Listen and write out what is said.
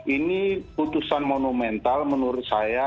ini putusan monumental menurut saya